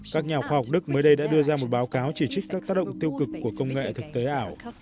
các nhà khoa học đức mới đây đã đưa ra một báo cáo chỉ trích các tác động tiêu cực của công nghệ thực tế ảo